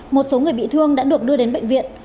một số người bị thương đã được đưa đến bệnh viện